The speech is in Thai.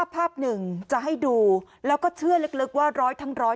ภาพหนึ่งจะให้ดูแล้วก็เชื่อลึกว่าร้อยทั้ง๑๐๐